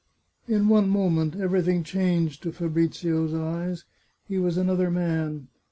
In one moment everything changed to Fabrizio's eyes. He was another man.